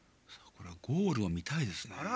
これはゴールをみたいですね。